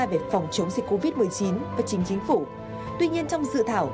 về phòng chống dịch covid một mươi chín và chính chính phủ